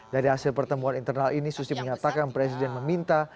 dari hasil pertemuan internal ini susi menyatakan presiden meminta